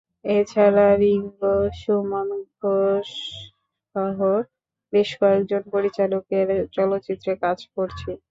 এ ছাড়া রিংগো, সুমন ঘোষসহ বেশ কয়েকজন পরিচালকের চলচ্চিত্রে কাজ করছি।